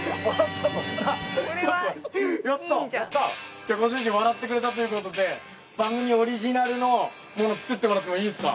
じゃあご主人笑ってくれたということで番組オリジナルのもの作ってもらってもいいですか？